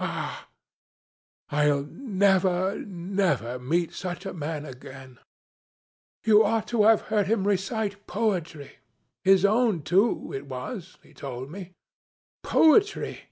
'Ah! I'll never, never meet such a man again. You ought to have heard him recite poetry his own too it was, he told me. Poetry!'